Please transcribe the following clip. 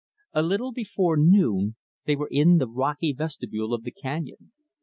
A little before noon, they were in the rocky vestibule of the canyon.